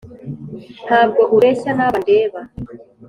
Ntabwo ureshya naba ndeba,